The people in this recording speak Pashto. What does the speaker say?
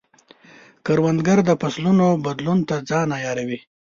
کروندګر د فصلونو بدلون ته ځان عیاروي